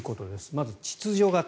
まず秩序型。